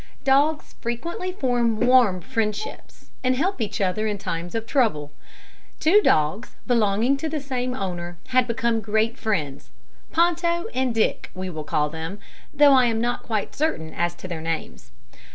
Dogs frequently form warm friendships, and help each other in time of trouble. Two dogs belonging to the same owner had become great friends. Ponto and Dick, we will call them, though I am not quite certain as to their names.